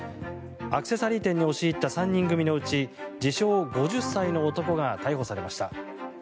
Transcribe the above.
アクセサリー店に押し入った３人組のうち自称５０歳の男が逮捕されました。